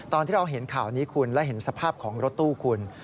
ตอนที่เราเห็นข่าวนี้คุณและเห็นสภาพของรถตู้คุณ